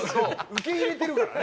受け入れてるからね。